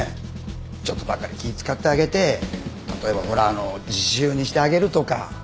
ちょっとばかり気ぃ使ってあげて例えばほらあのう自習にしてあげるとか。